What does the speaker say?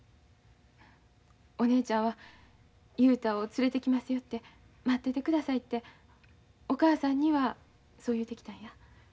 お姉ちゃんは雄太を連れてきますよって待っててくださいってお母さんにはそう言うてきたんや。